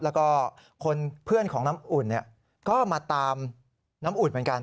แล้วก็เพื่อนของน้ำอุ่นก็มาตามน้ำอุ่นเหมือนกัน